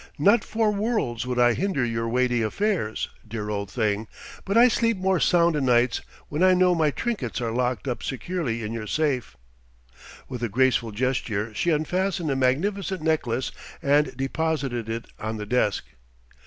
"Not for worlds would I hinder your weighty affairs, dear old thing, but I sleep more sound o' nights when I know my trinkets are locked up securely in your safe." With a graceful gesture she unfastened a magnificent necklace and deposited it on the desk.